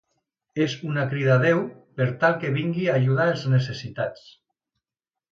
És una crida a Déu per tal que vingui a ajudar els necessitats.